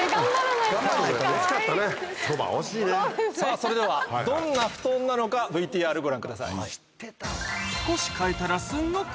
それではどんなふとんなのかＶＴＲご覧ください。